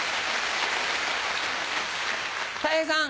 たい平さん。